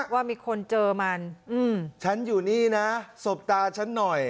ว่ามีคนเจอมันฉันอยู่นี่นะสบตาฉันหน่อย